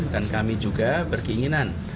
dan kami juga berkeinginan